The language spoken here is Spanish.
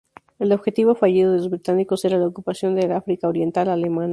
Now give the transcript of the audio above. El objetivo fallido de los británicos era la ocupación del África Oriental Alemana.